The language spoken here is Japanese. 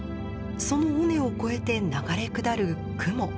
その尾根を越えて流れ下る雲。